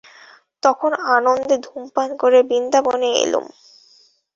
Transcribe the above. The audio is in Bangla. তখন আনন্দে ধূমপান করে বৃন্দাবনে এলুম।